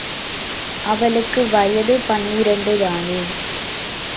அவளுக்கு வயது பனிரண்டு தானே?